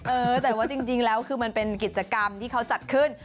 เออแต่ว่าจริงแล้วคือมันเป็นกิจกรรมที่เขาจัดขึ้น